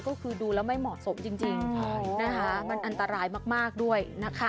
ก็คือดูแล้วไม่เหมาะสมจริงนะคะมันอันตรายมากด้วยนะคะ